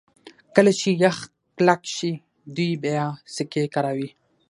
کله چې یخ کلک شي دوی بیا سکي کاروي